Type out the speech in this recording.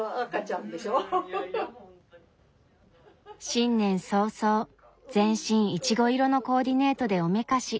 新年早々全身いちご色のコーディネートでおめかし。